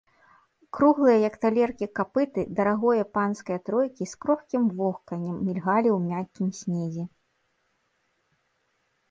Круглыя, як талеркі, капыты дарагое панскае тройкі з крохкім вохканнем мільгалі ў мяккім снезе.